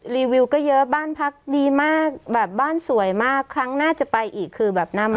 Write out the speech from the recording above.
รีวิวก็เยอะบ้านพักดีมากแบบบ้านสวยมากครั้งหน้าจะไปอีกคือแบบหน้าม้า